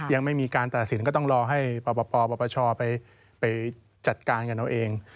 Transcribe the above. ยังไม่มีการตัดสินก็ต้องรอให้ปปชไปจัดการกันเอาเอง